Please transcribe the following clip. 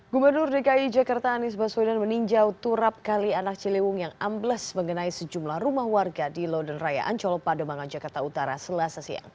gubernur dki jakarta anies baswedan meninjau turap kali anak ciliwung yang ambles mengenai sejumlah rumah warga di loden raya ancol pademangan jakarta utara selasa siang